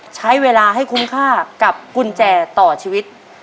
ใช้เวลาให้คุ้มค่ากับกุญแจต่อชีวิต